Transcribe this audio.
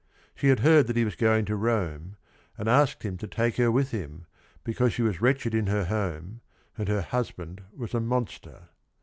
She had heard that he was going to Rome, and asked him to take her with him because she was wretched in her home and her husband was a monster.